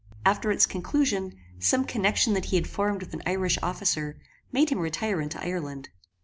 After its conclusion, some connection that he had formed with an Irish officer, made him retire into Ireland.